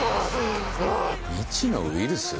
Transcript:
未知のウイルス？